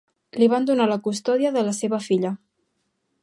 Li van donar la custòdia de la seva filla.